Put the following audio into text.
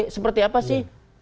seperti apa sih